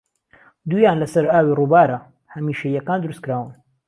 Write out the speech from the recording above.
دوویان لەسەر ئاوی رووبارە هەمیشەییەکان دروستکراون